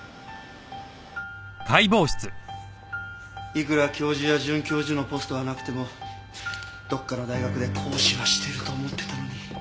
いくら教授や准教授のポストがなくてもどこかの大学で講師はしてると思ってたのに。